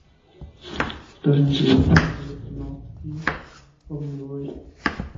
Los sencillos son "End", "No" y "Oh my boy".